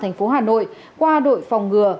thành phố hà nội qua đội phòng ngừa